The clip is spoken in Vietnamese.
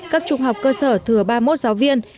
cấp trung học cơ sở thừa ba mươi một giáo viên